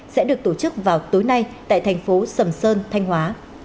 sẽ được tổ chức vào tối nay tại thành phố sầm sơn thanh hóa